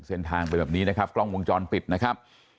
เส้นทางเป็นแบบนี้นะครับกล้องวงจรปิดนะครับ